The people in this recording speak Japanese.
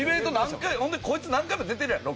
ほんでこいつ何回も出てるやんロケ。